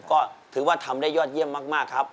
ก็ถือว่าทำได้ยอดเยี่ยมมากครับ